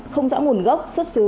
không rõ nguồn gốc xuất xứ